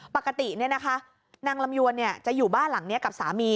ปกติเนี่ยนะคะนางลำยวนเนี่ยจะอยู่บ้านหลังเนี่ยกับสามี